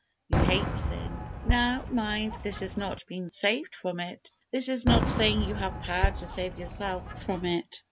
You hate sin. Now, mind, this is not being saved from it. This is not saying you have power to save yourself from it.